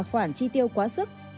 sẽ là khoản chi tiêu quá sức